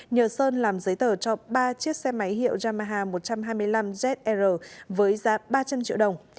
nhờ sơn làm giấy tờ cho ba chiếc xe máy hiệu yamaha một trăm hai mươi năm ezr với giá ba trăm linh triệu đồng